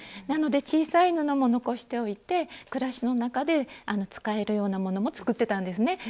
なので小さい布も残しておいて暮らしの中で使えるようなものも作ってたんですね。